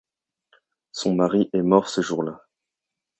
Son mari est mort ce jour-là.